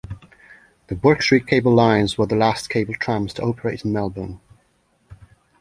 The Bourke Street cable lines were the last cable trams to operate in Melbourne.